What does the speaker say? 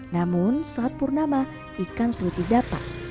namun saat purnama ikan selalu tidak tak